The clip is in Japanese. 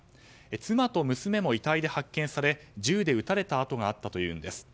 妻と娘も遺体で発見され銃で撃たれた痕があったというんです。